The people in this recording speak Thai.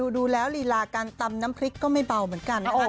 ดูแล้วลีลาการตำน้ำพริกก็ไม่เบาเหมือนกันนะคะ